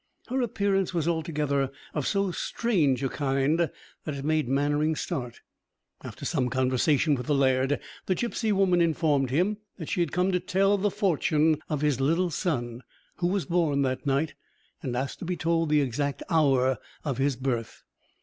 Her appearance was altogether of so strange a kind, that it made Mannering start. After some conversation with the laird, the gipsy woman informed him that she had come to tell the fortune of his little son, who was born that night, and asked to be told the exact hour of his birth.